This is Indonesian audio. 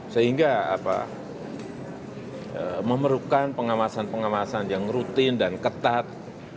sehingga memerlukan pengawasan pengawasan yang rutin dan ketat